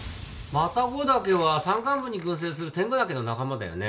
マタゴダケは山間部に群生するテングダケの仲間だよね。